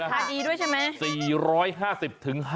ทานดีด้วยใช่ไหม